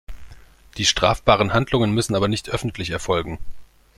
Die strafbaren Handlungen müssen aber nicht öffentlich erfolgen.